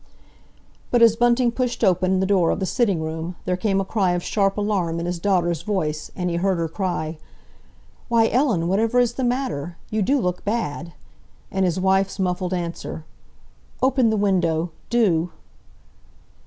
But as Bunting pushed open the door of the sitting room, there came a note of sharp alarm in his daughter's voice, and he heard her cry, "Why, Ellen, whatever is the matter? You do look bad!" and his wife's muffled answer, "Open the window—do."